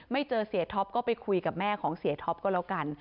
ไม่เจอเสียท็อปก็ไปคุยกับแม่ของเสียท็อปก็แล้วกัน